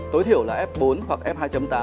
tối thiểu là f bốn hoặc f hai tám